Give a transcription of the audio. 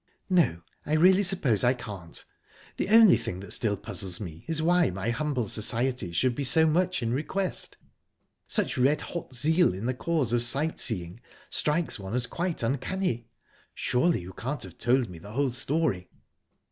"No, I really suppose I can't...The only thing that still puzzles me is why my humble society should be so much in request. Such red hot zeal in the cause of sight seeing strikes one as quite uncanny! Surely you can't have told me the whole story?"